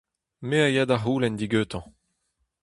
Me a ya da c'houlenn digantañ.